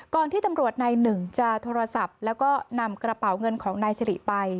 ที่ตำรวจนายหนึ่งจะโทรศัพท์แล้วก็นำกระเป๋าเงินของนายสิริไป